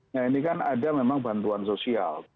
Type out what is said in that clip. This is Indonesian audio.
nah ini kan ada memang bantuan sosial